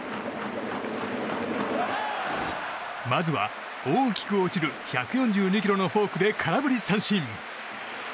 まずは大きく落ちる１４２キロのフォークで空振り三振。